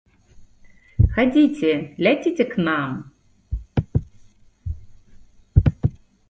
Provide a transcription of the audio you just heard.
Хадзіце, ляціце к нам!